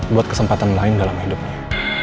buat kesempatan lain dalam hidupnya